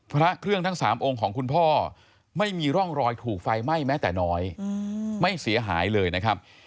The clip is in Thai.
พระเครื่องทั้งสามองค์ของคุณพ่อไม่มีร่องรอยถูกไฟเมื่อแต่น้อย